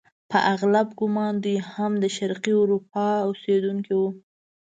په اغلب ګومان دوی هم د شرقي اروپا اوسیدونکي وو.